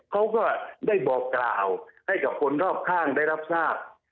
เขาก็ได้บอกกล่าวให้กับคนรอบข้างได้รับทราบ